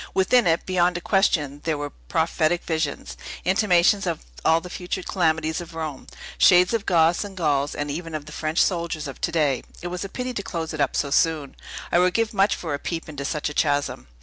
Within it, beyond a question, there were prophetic visions, intimations of all the future calamities of Rome, shades of Goths, and Gauls, and even of the French soldiers of to day. It was a pity to close it up so soon! I would give much for a peep into such a chasm."